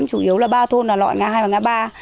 chủ yếu là ba thôn nà lọi ngã hai và ngã ba